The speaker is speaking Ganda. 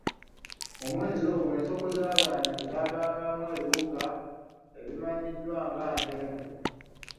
Mu mwezi ogwo, ensuku z'abantu zaabangamu ebiwuka ebimanyiddwa nga Ntenvu.